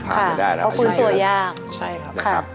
เพราะคุณตัวยาก